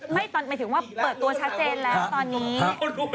หมายถึงว่าเปิดตัวชัดเจนแล้วตอนนี้